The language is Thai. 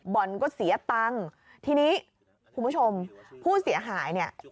บอลก็เสียตังค์ทีนี้ผู้ผู้ชมผู้เสียหาย